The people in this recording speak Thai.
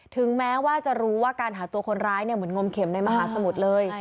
ถึงแม้ว่าจะรู้ว่าการหาตัวคนร้ายเหมือนงมเข็มในมหาสมุทรเลย